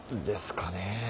ですかね。